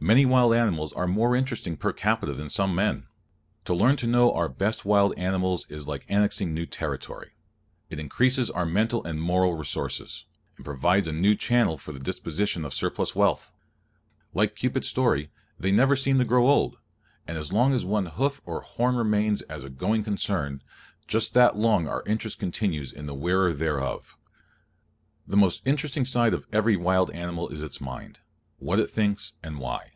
Many wild animals are more interesting per capita than some men. To learn to know our best wild animals is like annexing new territory. It increases our mental and moral resources, and provides a new channel for the disposition of surplus wealth. Like Cupid's story, they never seem to grow old, and as long as one hoof or horn remains as a going concern, just that long our interest continues in the wearer thereof. The most interesting side of every wild animal is its mind, what it thinks, and why.